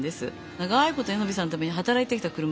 長いことヤノベさんのためにはたらいてきた車。